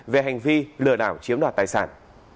về hành vi lừa đảo chiếm đoạt tài sản